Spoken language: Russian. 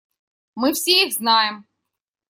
Мы все их знаем.